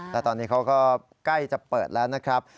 แล้วตอนนี้เขาก็ใกล้จะเปิดแล้วนะครับ